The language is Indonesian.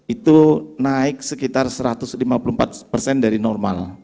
itu naik sekitar satu ratus lima puluh empat persen dari normal